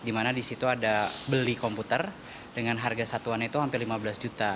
di mana di situ ada beli komputer dengan harga satuannya itu hampir lima belas juta